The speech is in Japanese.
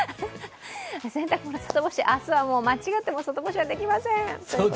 洗濯物外干し、明日は間違っても外干しはできません。